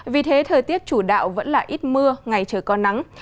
vì thế thời tiết chủ đạo vẫn là ít mưa ngày trời có nắng